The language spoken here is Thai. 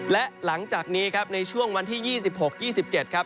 และหลังจากนี้ครับในช่วงวันที่๒๖๒๗ครับ